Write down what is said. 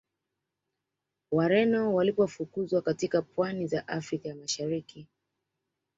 Wareno walipofukuzwa katika pwani za Afrika ya Mashariki